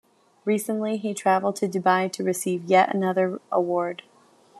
Recently, he travelled to Dubai to receive yet another award.